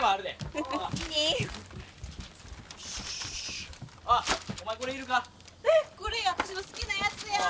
えっこれ私の好きなやつやん。